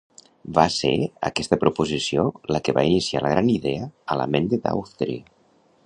Va ser aquesta proposició la que va iniciar la gran idea a la ment de Daughtry.